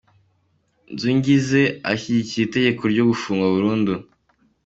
Nzungize ashyigikiye itegeko ryo gufungwa burundu.